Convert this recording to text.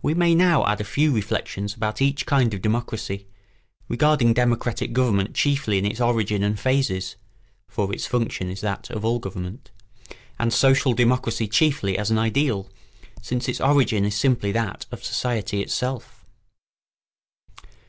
We may now add a few reflections about each kind of democracy, regarding democratic government chiefly in its origin and phases (for its function is that of all government) and social democracy chiefly as an ideal, since its origin is simply that of society itself.